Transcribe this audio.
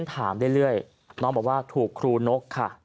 ถามเรื่อยน้องบอกว่าถูกครูนกค่ะ